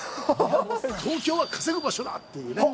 東京は稼ぐ場所だっていうね。